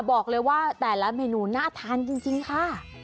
บอกเลยว่าแต่ละเมนูน่าทานจริงค่ะ